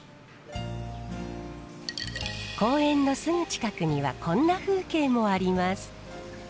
公園のすぐ近くにはこんな風景もあります。